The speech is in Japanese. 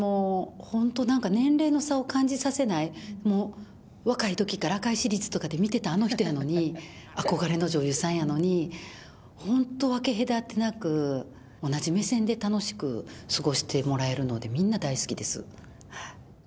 本当、なんか年齢の差を感じさせない、もう若いときから、赤いシリーズで見てたあの人やのに、憧れの女優さんやのに、本当、分け隔てなく、同じ目線で楽しく過ごしてもらえるので、みんな大好きです。